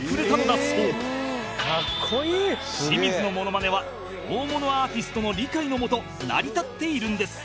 清水のモノマネは大物アーティストの理解のもと成り立っているんです